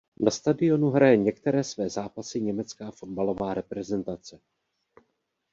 Na stadionu hraje některé své zápasy německá fotbalová reprezentace.